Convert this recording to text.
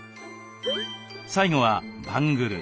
最後はバングル。